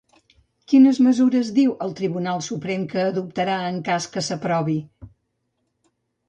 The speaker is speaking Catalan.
Quines mesures diu el Tribunal Suprem que adoptarà en cas que s'aprovi?